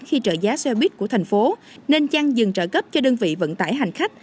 khi trợ giá xe buýt của tp hcm nên chăng dừng trợ cấp cho đơn vị vận tải hành khách